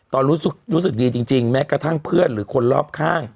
รู้สึกดีจริงแม้กระทั่งเพื่อนหรือคนรอบข้าง